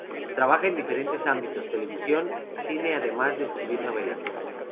Trabaja en diferentes ámbitos: televisión, cine además de escribir novelas.